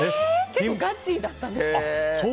結構ガチだったんですよ。